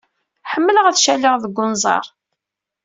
Ḥemmleɣ ad caliɣ deg unẓar.